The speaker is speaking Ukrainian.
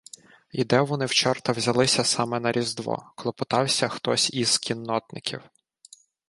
— І де вони в чорта взялися саме на Різдво? — клопотався хтось із кіннотників.